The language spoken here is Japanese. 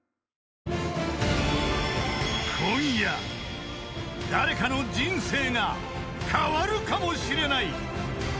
［今夜誰かの人生が変わるかもしれない］